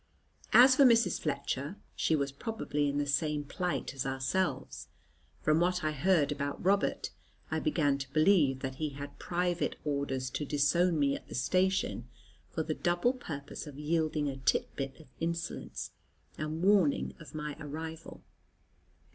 As for Mrs. Fletcher, she was probably in the same plight as ourselves. From what I heard about Robert, I began to believe that he had private orders to disown me at the station, for the double purpose of yielding a tit bit of insolence, and warning of my arrival.